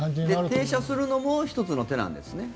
停車するのも１つの手なんですね。